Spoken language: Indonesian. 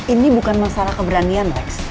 ini bukan masalah keberanian lex